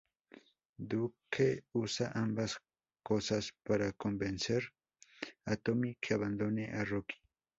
Duke usa ambas cosas para convencer a Tommy que abandone a Rocky.